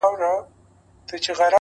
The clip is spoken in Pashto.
بیرته چي یې راوړې، هغه بل وي زما نه ،